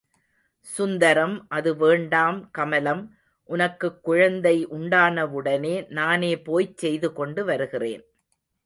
சுந்தரம் அது வேண்டாம் கமலம், உனக்குக் குழந்தை உண்டானவுடனே நானே போய்ச் செய்து கொண்டு வருகிறேன்.